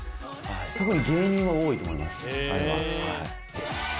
特に芸人は多いと思いますあれは。